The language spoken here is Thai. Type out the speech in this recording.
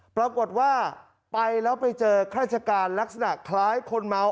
ปรากฏว่าไปแล้วไปเจอข้าราชการลักษณะคล้ายคนเมา